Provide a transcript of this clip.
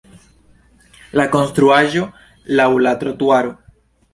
La konstruaĵo laŭ la trotuaro.